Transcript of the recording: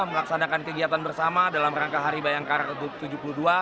melaksanakan kegiatan bersama dalam rangka hari bayangkara ke tujuh puluh dua